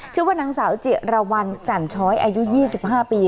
ชื่อว่านางสาวจิรวรรณจันช้อยอายุ๒๕ปี